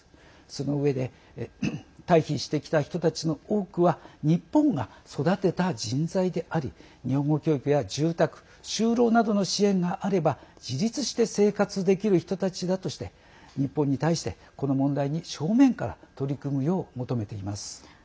そのうえで退避してきた人たちの多くは日本が育てた人材であり日本語教育や住宅、就労などの支援があれば自立して生活できる人たちだとして日本に対してこの問題に正面から取り組むよう求めています。